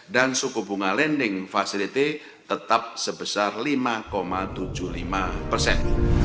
dan suku bunga lending fasilite tetap sebesar lima tujuh puluh lima persen